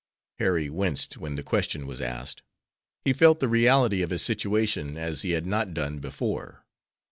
Harry winced when the question was asked. He felt the reality of his situation as he had not done before.